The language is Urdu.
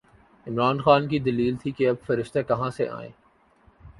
عمران خان کی دلیل تھی کہ اب فرشتے کہاں سے آئیں؟